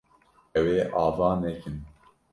Ew ê ava nekin.